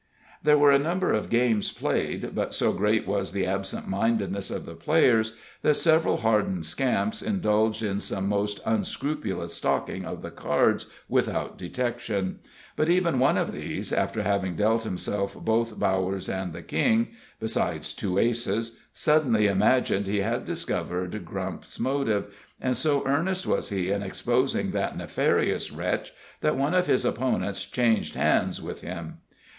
There were a number of games played, but so great was the absentmindedness of the players, that several hardened scamps indulged in some most unscrupulous "stocking" of the cards without detection. But even one of these, after having dealt himself both bowers and the king, besides two aces, suddenly imagined he had discovered Grump's motive, and so earnest was he in exposing that nefarious wretch, that one of his opponents changed hands with him.